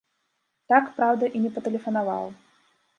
Так, праўда, і не патэлефанаваў.